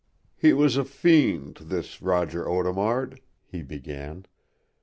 "He was a fiend, this Roger Audemard," he began.